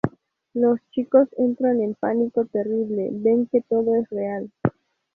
Los chicos entran un pánico terrible, ven que todo es real.